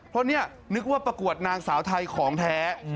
เพราะนี่นึกว่าประกวดนางสาวไทยของแท้